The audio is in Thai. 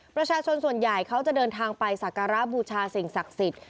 ประชาชนส่วนใหญ่เขาจะเดินทางไปสักการะบูชาสิ่งศักดิ์สิทธิ์